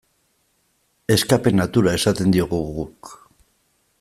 Escape-natura esaten diogu guk.